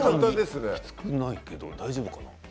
きつくないけど大丈夫かな。